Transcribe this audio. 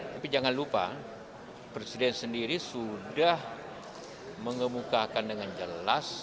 tapi jangan lupa presiden sendiri sudah mengemukakan dengan jelas